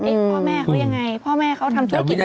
พ่อแม่เขายังไงเพื่อนของเขาทำท่วยเกิดนี้มา